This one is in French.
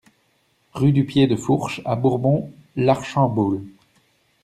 Rue du Pied de Fourche à Bourbon-l'Archambault